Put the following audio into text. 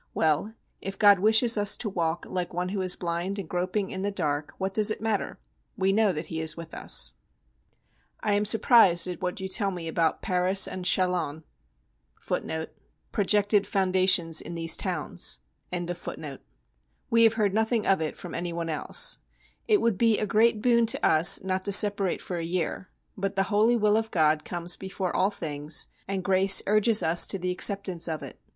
Well, if God wishes us to walk like one who is blind and groping in the dark, what does it matter? We know that He is with us. I am surprised at what you tell me about Paris and Chalons,[A] we have heard nothing of it from any one else. It would be a great boon to us not to separate for a year: but the Holy will of God comes before all things, and grace urges us to the acceptance of it.